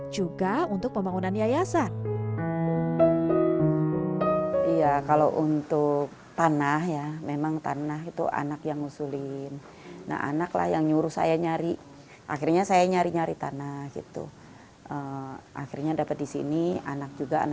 juga untuk pembangunan yayasan